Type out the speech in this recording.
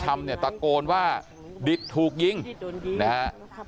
เมื่อ